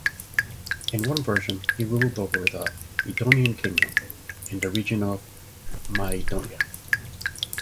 In one version, he ruled over the Edonian kingdom in the region of Mygdonia.